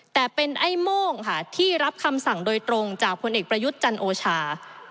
แต่เป็นไอ้โม่งค่ะที่รับคำสั่งโดยตรงจากผลเอกประยุทธ์จันโอชา